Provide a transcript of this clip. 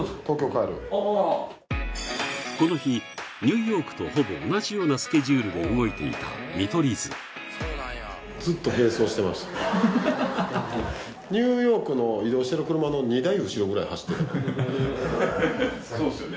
ああこの日ニューヨークとほぼ同じようなスケジュールで動いていた見取り図ハハハそうすよね